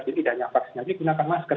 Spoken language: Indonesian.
jadi tidak hanya vaksinasi gunakan masker